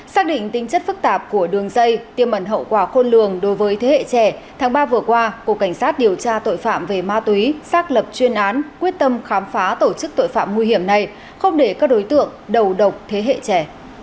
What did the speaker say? xác định tính chất phức tạp của đường dây tiêm ẩn hậu quả khôn lường đối với thế hệ trẻ tháng ba vừa qua cục cảnh sát điều tra tội phạm về ma túy xác lập chuyên án quyết tâm khám phá tổ chức tội phạm nguy hiểm này không để các đối tượng đầu độc thế hệ trẻ